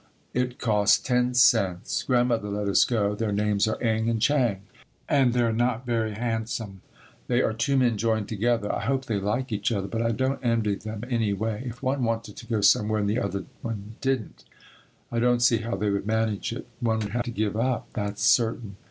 It costs 10 cents. Grandmother let us go. Their names are Eng and Chang and they are not very handsome. They are two men joined together. I hope they like each other but I don't envy them any way. If one wanted to go somewhere and the other one didn't I don't see how they would manage it. One would have to give up, that's certain.